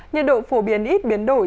nhiệt độ phổ biến ít biến đổi